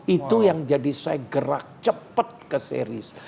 itu yang jadi saya gerak cepet ke series